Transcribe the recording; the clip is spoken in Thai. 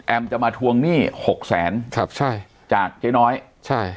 แอมจะมาทวงหนี้๖แสนจากเจ๊น้อย